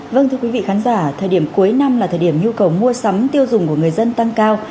vâng thưa quý vị khán giả thời điểm cuối năm là thời điểm nhu cầu mua sắm tiêu dùng của người dân tăng cao